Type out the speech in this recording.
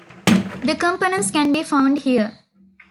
The components can be found here.